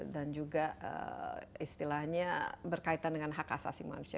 dan juga istilahnya berkaitan dengan hak asasi manusia